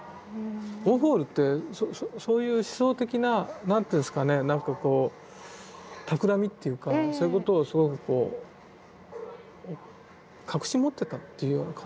ウォーホルってそういう思想的な何ていうんですかねなんかこうたくらみっていうかそういうことをすごくこう隠し持ってたっていうような感じなんですかね。